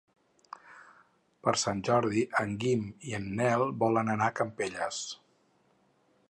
Per Sant Jordi en Guim i en Nel volen anar a Campelles.